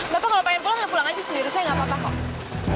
bapak kalau pengen pulang ya pulang aja sendiri saya nggak apa apa kok